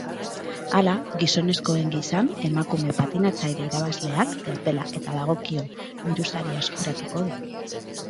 Hala, gizonezkoengisan, emakume patinatzaile irabazleak txapela eta dagokion dirusariaeskuratuko du.